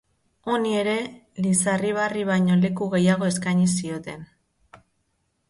Honi ere Lizarribarri baino leku gehiago eskaini zioten.